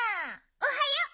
おはよう！